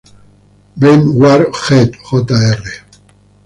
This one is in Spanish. Brent Ward Jett, Jr.